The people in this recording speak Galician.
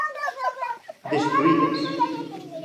Destruídas.